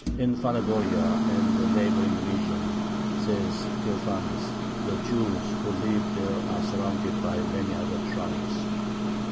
"In Phanagoria and the neighboring region," says Theophanes, "the Jews who live there are surrounded by many other tribes."